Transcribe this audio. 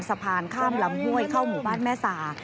สะพานข้ามลำห้วยเข้าหมู่บ้านแม่สา